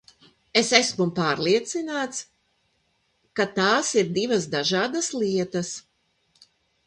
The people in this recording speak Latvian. Es esmu pārliecināts, ka tās ir divas dažādas lietas.